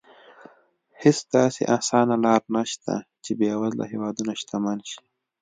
هېڅ داسې اسانه لار نه شته چې بېوزله هېوادونه شتمن شي.